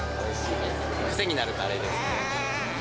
癖になるカレーですね。